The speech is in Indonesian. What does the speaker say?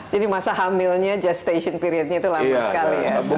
jadi masa hamilnya gestation periodnya itu lama sekali ya